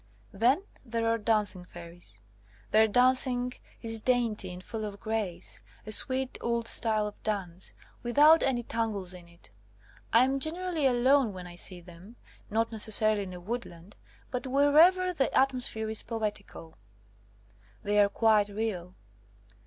"Then there are dancing fairies. Their dancing is dainty and full of grace, a sweet old style of dance, without any tangles in it. I am generally alone when I see them, not necessarily in a woodland, but wherever the atmosphere is poetical. They are quite real.